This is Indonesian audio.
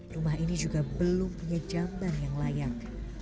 rumah ini juga belum punya jamban yang layak